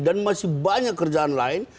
dan masih banyak kerjaan lain